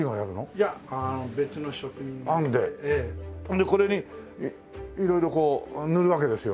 でこれに色々塗るわけですよね。